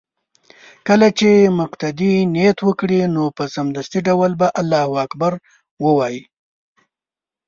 كله چې مقتدي نيت وكړ نو په سمدستي ډول به الله اكبر ووايي